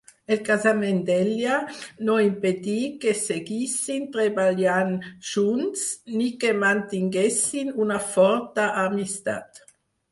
El casament d'ella no impedí que seguissin treballant junts ni que mantinguessin una forta amistat.